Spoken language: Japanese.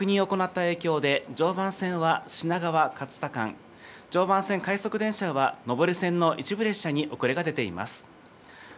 異音の確認を行った影響で、常磐線は品川・勝田間、常磐線快速電車は上り線の一部列車に遅れが出ています。